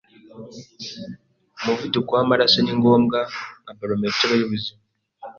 Umuvuduko wamaraso ni ngombwa nka barometero yubuzima.